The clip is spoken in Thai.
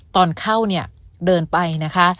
ตอนเข้าเดินไปนะคะ